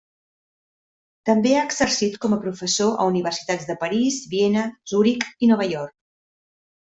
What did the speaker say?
També ha exercit com a professor a universitats de París, Viena, Zuric i Nova York.